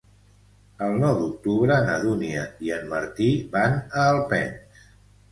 El nou d'octubre na Dúnia i en Martí van a Alpens.